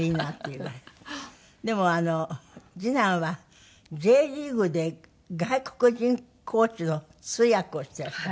でも次男はＪリーグで外国人コーチの通訳をしていらっしゃる。